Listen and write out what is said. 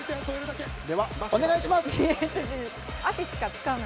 では、お願いします。